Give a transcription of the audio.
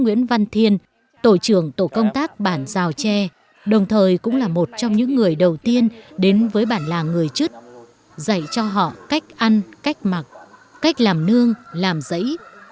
nguyễn văn thiên tổ trưởng tổ công tác bản giao tre đồng thời cũng là một trong những người đầu tiên đến với bản làng người chứt dạy cho họ cách ăn cách mặc cách làm nương làm giấy